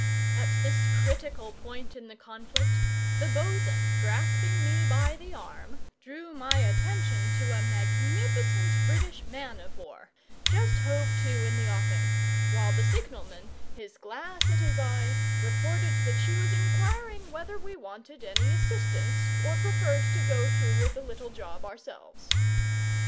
At this critical point in the conflict, the bo'sun, grasping me by the arm, drew my attention to a magnificent British man of war, just hove to in the offing, while the signalman, his glass at his eye, reported that she was inquiring whether we wanted any assistance or preferred to go through with the little job ourselves.